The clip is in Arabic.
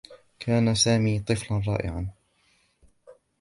كان سامي طفلا رائعا.